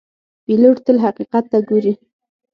پیلوټ تل حقیقت ته ګوري.